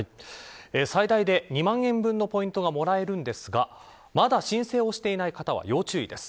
最大で２万円分のポイントがもらえるんですがまだ申請をしていない方は要注意です。